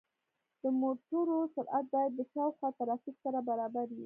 د موټرو سرعت باید د شاوخوا ترافیک سره برابر وي.